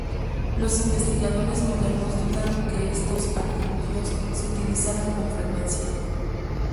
Los investigadores modernos dudan que estos artilugios se utilizaran con frecuencia.